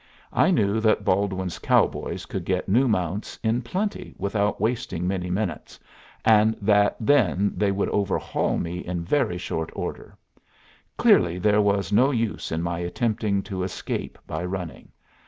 I knew that Baldwin's cowboys could get new mounts in plenty without wasting many minutes, and that then they would overhaul me in very short order. Clearly there was no use in my attempting to escape by running.